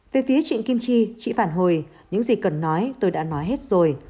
về phía chị kim chi chị phản hồi những gì cần nói tôi đã nói hết rồi